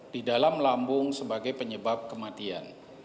di dalam lambung sebagai penyebab kematian